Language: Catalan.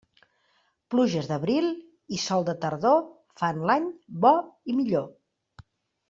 Pluges d'abril i sol de tardor fan l'any bo i millor.